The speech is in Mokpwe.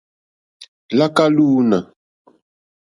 Láká lúǃúná.